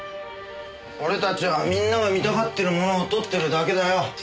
俺たちはみんなが見たがってるものを撮ってるだけだよ。